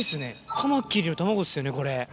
カマキリの卵ですよねこれ。